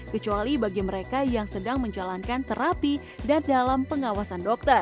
kecuali bagi mereka yang sedang menjalankan terapi dan dalam pengawasan dokter